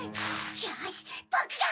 よしボクが！